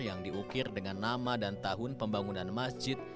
yang diukir dengan nama dan tahun pembangunan masjid